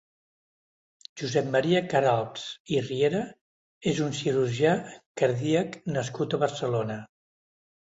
Josep Maria Caralps i Riera és un cirurgià cardíac nascut a Barcelona.